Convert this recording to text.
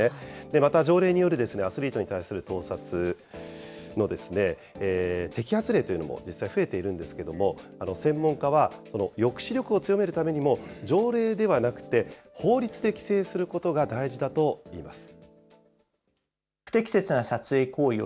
また、条例によるアスリートに対する盗撮の摘発例というのも実際増えているんですけれども、専門家は抑止力を強めるためにも、条例ではなくて、法律で規制することが大事だといいます。